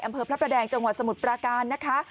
อำเภอพระแดงจังหวัดสมุดประการนะคะ